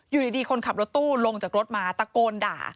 อยู่ดีคนขับรถตู้ลงจากรถมาตะโกนด่า